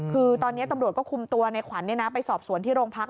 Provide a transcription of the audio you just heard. คือตอนนี้ตำรวจก็คุมตัวในขวัญไปสอบสวนที่โรงพัก